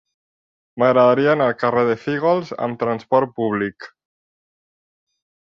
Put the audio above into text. M'agradaria anar al carrer de Fígols amb trasport públic.